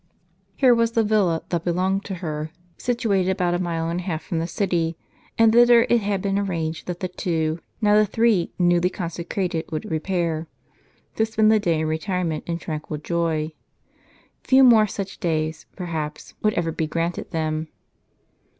Here was the villa "^^^ belonging to her, situated about a mile and a half from the city ; and thither it had been arranged that the two, now the three, newly consecrated should repair, to spend the day in retirement and tranquil joy. Few more such days, perhaps, would ever be granted them.